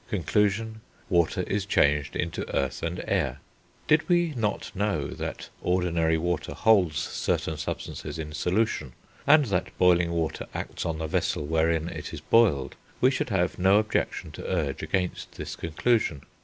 Conclusion. Water is changed into air and earth. Did we not know that ordinary water holds certain substances in solution, and that boiling water acts on the vessel wherein it is boiled, we should have no objection to urge against this conclusion.